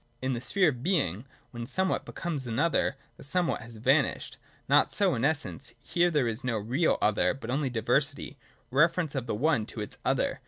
In the sphere of Being, when somewhat becomes another, the somewhat has vanished. Not so in Essence : here there is no real other, but only diversity, reference of the one to its other.